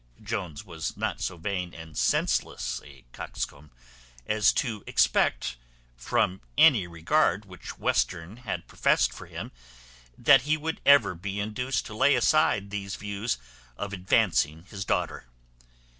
Jones was not so vain and senseless a coxcomb as to expect, from any regard which Western had professed for him, that he would ever be induced to lay aside these views of advancing his daughter.